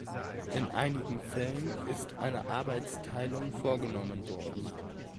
In einigen Fällen ist eine Arbeitsteilung vorgenommen worden.